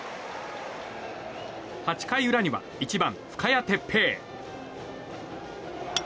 ８回裏には１番、深谷哲平。